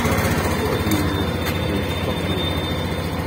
Ad yelmed tutlayt taqbaylit.